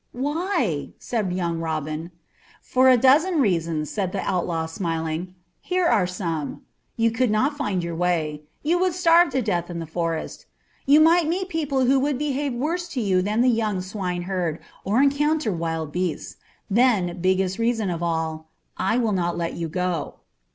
"Why?" said young Robin. "For a dozen reasons," said the outlaw, smiling. "Here are some: you could not find your way; you would starve to death in the forest; you might meet people who would behave worse to you than the young swineherd, or encounter wild beasts; then, biggest reason of all: I will not let you go."